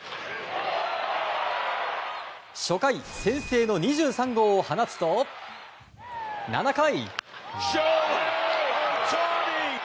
初回、先制の２３号を放つと７回。